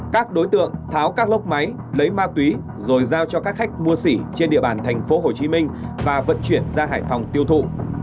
các đối tượng tháo các lốc máy lấy ma túy rồi giao cho các khách mua sỉ trên địa bàn thành phố hồ chí minh và vận chuyển ra hải phòng tiêu thụ